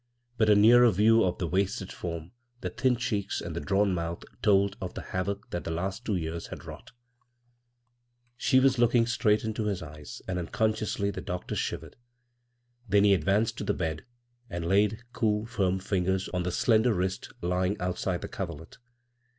But a nearer view of the wasted form, the thin cheeks, and the drawn mouth told of the havoc that the last two years had wrought She was looking 69 b, Google CROSS CURRENTS straight into his eyes, and unconsciously the 4octor shivered. Then he advanced to the bed and laid cool firm fingers on the slender wrist lying outside the coverlet.